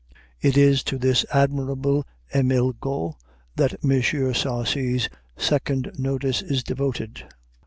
It is to this admirable Émile Got that M. Sarcey's second notice is devoted.